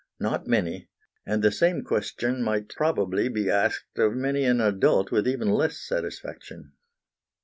Not many; and the same question might probably be asked of many an adult with even less satisfaction.